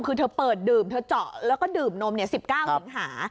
คือเธอเปิดดื่มเธอเจาะแล้วก็ดื่มนม๑๙สิงหา